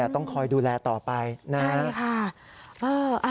ต้องคอยดูแลต่อไปนะครับ